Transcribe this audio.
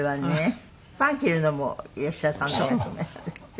パン切るのも吉田さんの役目なんですって？